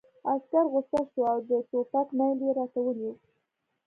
عسکر غوسه شو او د ټوپک میل یې راته ونیو